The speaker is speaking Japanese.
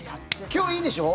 今日いいでしょ？